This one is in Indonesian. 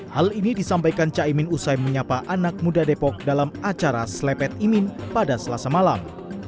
hal ini disampaikan caimin usai menyapa anak muda depok dalam acara selepet imin pada selasa malam